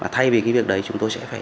thay vì việc đấy chúng tôi sẽ phải